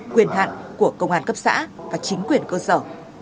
quyền hạn của công an cấp xã và chính quyền cơ sở